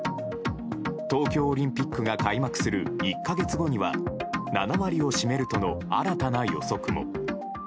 東京オリンピックが開幕する１か月後には７割を占めるとの新たな予測も。